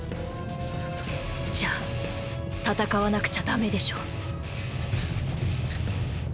じゃあ戦わなくちゃダメでしょ？